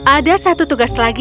ada satu tugas lagi